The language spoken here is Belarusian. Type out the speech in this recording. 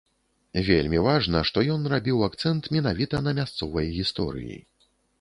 Вельмі важна, што ён рабіў акцэнт менавіта на мясцовай гісторыі.